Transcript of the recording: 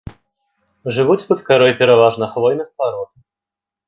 Жывуць пад карой пераважна хвойных парод.